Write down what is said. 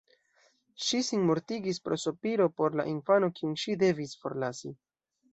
Ŝi sinmortigis pro sopiro por la infano kiun ŝi devis forlasi.